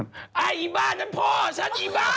เงี๊ยบ้าฉันผ่อฉันเงี๊ยบ้า